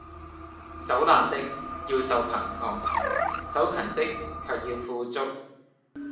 手懶的，要受貧窮；手勤的，卻要富足。